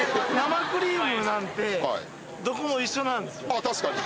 あ確かに。